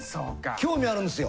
興味あるんですよ。